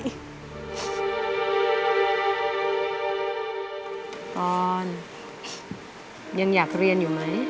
อเรนนี่บอลยังอยากเรียนอยู่ไหม